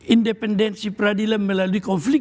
independensi peradilan melalui konflik